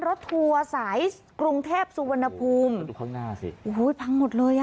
ทัวร์สายกรุงเทพสุวรรณภูมิดูข้างหน้าสิโอ้โหพังหมดเลยอ่ะ